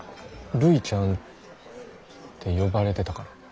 ルイちゃんって呼ばれてたから。